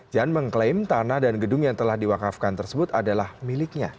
jan mengklaim tanah dan gedung yang telah diwakafkan tersebut adalah miliknya